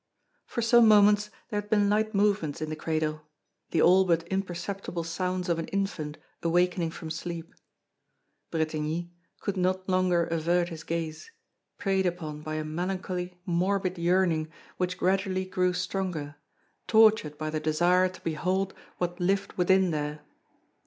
For some moments there had been light movements in the cradle the all but imperceptible sounds of an infant awakening from sleep. Bretigny could not longer avert his gaze, preyed upon by a melancholy, morbid yearning which gradually grew stronger, tortured by the desire to behold what lived within there.